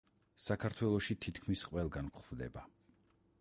საქართველოში თითქმის ყველგან გვხვდება.